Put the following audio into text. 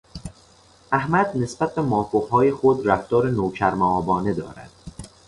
احمد نسبت به مافوقهای خود رفتار نوکر مابانهای دارد.